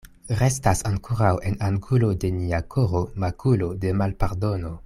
Restas ankoraŭ en angulo de nia koro makulo de malpardono.